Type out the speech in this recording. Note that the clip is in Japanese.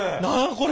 これ！